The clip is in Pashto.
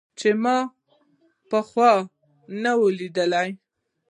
چې ما پخوا نه و ليدلى.